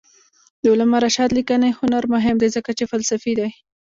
د علامه رشاد لیکنی هنر مهم دی ځکه چې فلسفي دی.